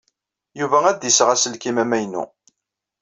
Yuba ad d-iseɣ aselkim amaynu.